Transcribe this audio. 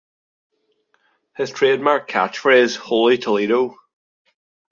His trademark catchphrase Holy Toledo!